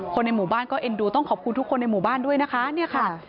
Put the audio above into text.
ในหมู่บ้านก็เอ็นดูต้องขอบคุณทุกคนในหมู่บ้านด้วยนะคะเนี่ยค่ะ